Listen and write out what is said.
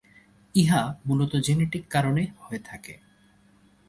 ইহা মূলত জেনেটিক কারণে হয়ে থাকে।